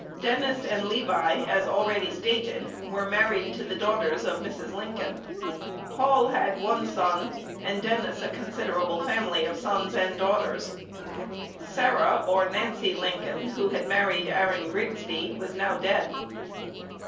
Dennis and Levi, as already stated, were married to the daughters of Mrs. Lincoln. Hall had one son, and Dennis a considerable family of sons and daughters. Sarah (or Nancy) Lincoln, who had married Aaron Grigsby, was now dead.